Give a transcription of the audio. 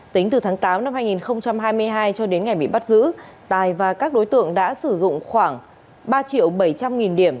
tính từ tháng tám năm hai nghìn hai mươi hai cho đến ngày bị bắt giữ tài và các đối tượng đã sử dụng khoảng ba triệu bảy trăm linh nghìn điểm